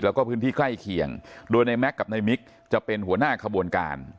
แล้วก็พื้นที่ใกล้เคียงโดยในแม็กซ์กับนายมิกจะเป็นหัวหน้าขบวนการ